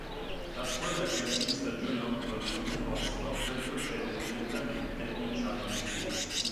La squadra che a fine stagione occupa l'ultimo posto retrocede direttamente in Challenge League.